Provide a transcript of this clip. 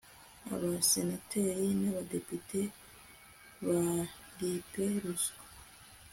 abasenateri nabadepite baripe ruswa